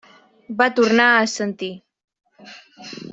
Va tornar a assentir.